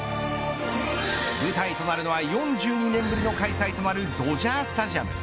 舞台となるのは４２年ぶりの開催となるドジャースタジアム。